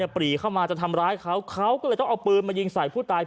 ปรีเข้ามาจะทำร้ายเขาเขาก็เลยต้องเอาปืนมายิงใส่ผู้ตาย